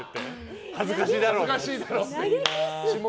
恥ずかしいだろ！って。